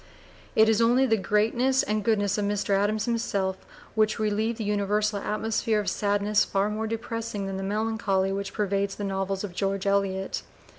It is only the greatness and goodness of Mr. Adams himself which relieve the universal atmosphere of sadness far more depressing than the melancholy which pervades the novels of George Eliot.